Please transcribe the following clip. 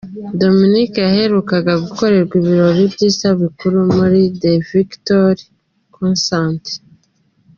Dominic yaherukaga gukorerwa ibirori by’isabukuru muri “The Victory Concert”.